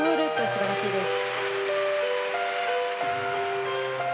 素晴らしいです。